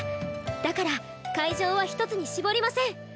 だから会場は一つに絞りません。